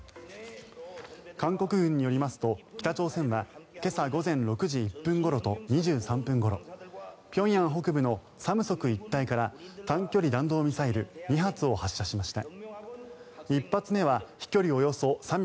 韓国軍によりますと北朝鮮は今朝午前６時１分ごろと２３分ごろ平壌北部の三石一帯から短距離弾道ミサイル２発を発射しました。